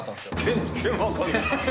全然分かんない。